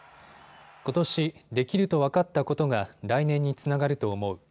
ことし、できると分かったことが来年につながると思う。